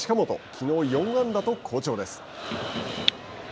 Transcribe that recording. きのう４安打と好調です。